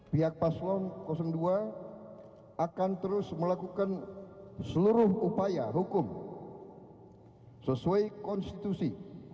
pihak paslon dua akan terus melakukan seluruh upaya hukum sesuai konstitusi